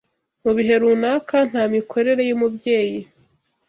Mu bihe runaka, nta mikorere y’umubyeyi